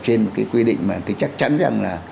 trên một cái quy định mà tôi chắc chắn rằng là